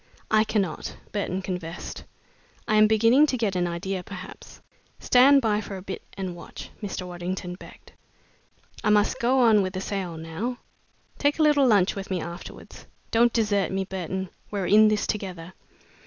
"I cannot," Burton confessed. "I am beginning to get an idea, perhaps." "Stand by for a bit and watch," Mr. Waddington begged. "I must go on with the sale now. Take a little lunch with me afterwards. Don't desert me, Burton. We're in this together."